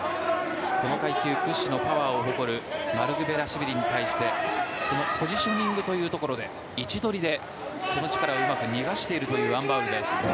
この階級屈指のパワーを誇るマルクベラシュビリに対してポジショニングというところで位置取りで力をうまく逃がしているアン・バウルです。